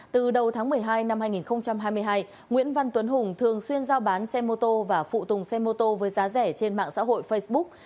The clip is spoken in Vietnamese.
từ đầu tháng một mươi hai năm hai nghìn hai mươi hai nguyễn văn tuấn hùng thường xuyên giao bán xe mô tô và phụ tùng xe mô tô với giá rẻ trên mạng xã hội facebook